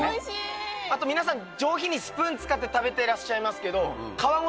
あと皆さん上品にスプーン使って食べてらっしゃいますけどええっ！？